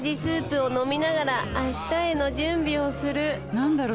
何だろう